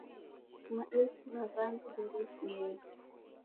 Maelfu gha w'andu w'erefuyeghe.